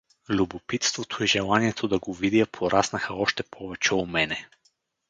Любопитството и желанието да го видя пораснаха още повече у мене.